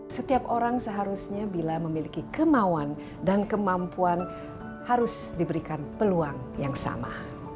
setiap orang seharusnya bila memiliki kemauan dan kemampuan harus diberikan peluang yang sama